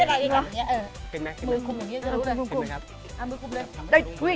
เอามือคุมเลย